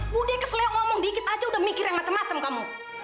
buddha keseliru ngomong dikit aja udah mikir yang macem macem kamu